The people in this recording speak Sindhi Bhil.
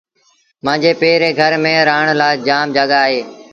مآݩجي پي ري گھر ميݩ رآهڻ لآ جآم جآڳآ اهي۔